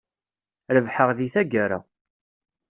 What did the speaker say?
Rebḥeɣ deg tagara.